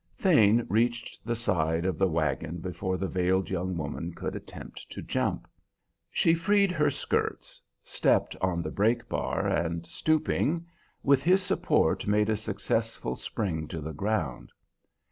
Thane reached the side of the wagon before the veiled young woman could attempt to jump. She freed her skirts, stepped on the brake bar, and stooping, with his support made a successful spring to the ground.